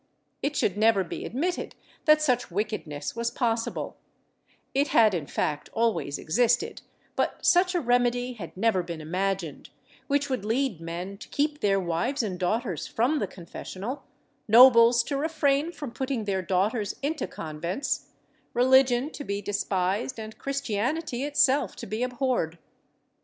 It should never be admitted that such wickedness was possible; it had, in fact, always existed, but such a remedy had never been imagined, wliich would lead men to keep their wives and daughters from the confessional, nobles to refrain from putting their daughters into convents, religion to be despised and Christianity itself to be abhorred.